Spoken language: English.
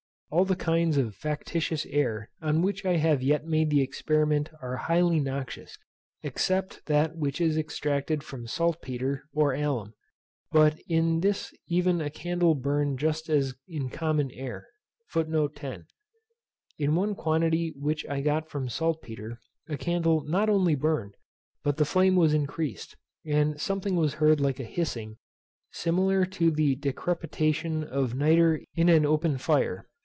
All the kinds of factitious air on which I have yet made the experiment are highly noxious, except that which is extracted from saltpetre, or alum; but in this even a candle burned just as in common air. In one quantity which I got from saltpetre a candle not only burned, but the flame was increased, and something was heard like a hissing, similar to the decrepitation of nitre in an open fire.